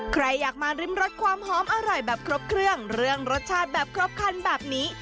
ใครอยากมาริมรสความหอมอร่อยแบบครบเครื่องเรื่องรสชาติแบบครบคันแบบนี้